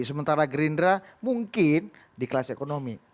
sementara gerindra mungkin di kelas ekonomi